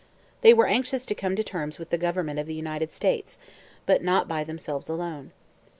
They were anxious to come to terms with the government of the United States, but not by themselves alone.